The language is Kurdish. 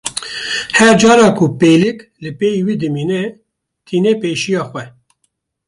Her cara ku pêlik li pey wî dimîne, tîne pêşiya xwe.